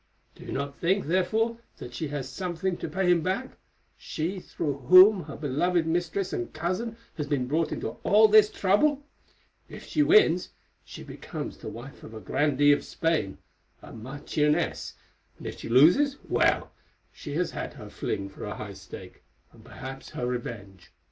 Do you not think, therefore, that she has something to pay him back, she through whom her beloved mistress and cousin has been brought into all this trouble? If she wins, she becomes the wife of a grandee of Spain, a marchioness; and if she loses, well, she has had her fling for a high stake, and perhaps her revenge.